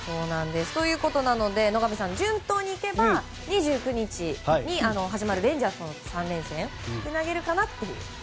野上さん、順当にいけば２９日に始まるレンジャーズとの３連戦で投げるかなという。